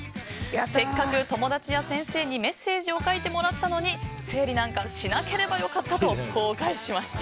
せっかく友達や先生にメッセージを書いてもらったのに整理なんかしなければよかったと後悔しました。